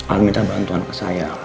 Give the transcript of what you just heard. akan minta bantuan ke saya